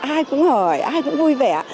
ai cũng hỏi ai cũng vui vẻ